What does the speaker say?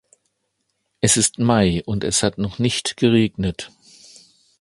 Es ist Mai, und es hat noch nicht geregnet.